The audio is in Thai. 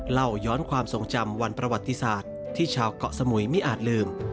เล่าย้อนความทรงจำวันประวัติศาสตร์ที่ชาวเกาะสมุยไม่อาจลืม